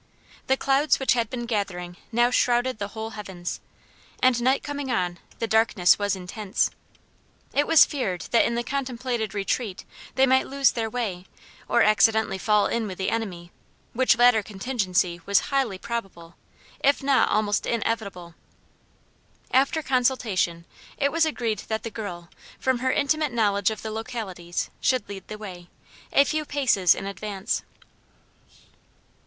The clouds which had been gathering now shrouded the whole heavens, and, night coming on, the darkness was intense. It was feared that in the contemplated retreat they might lose their way or accidentally fall in with the enemy, which latter contingency was highly probable, if not almost inevitable. After consultation it was agreed that the girl, from her intimate knowledge of the localities, should lead the way, a few paces in advance.